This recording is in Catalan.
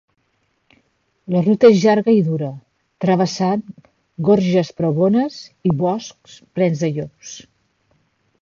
La ruta és llarga i dura, travessant gorges pregones i boscs plens de llops.